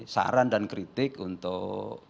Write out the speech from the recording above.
saran dan kritik untuk